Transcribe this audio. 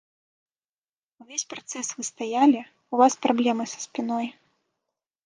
Увесь працэс вы стаялі, у вас праблемы са спіной.